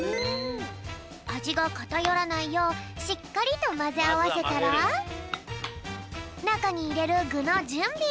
あじがかたよらないようしっかりとまぜあわせたらなかにいれるぐのじゅんび！